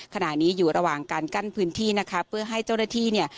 ขณะนี้อยู่ระหว่างการกั้นพื้นที่นะคะเพื่อให้เจ้าหน้าที่เนี่ย